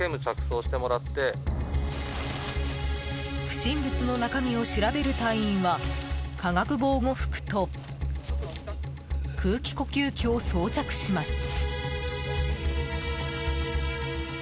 不審物の中身を調べる隊員は化学防護服と空気呼吸器を装着します。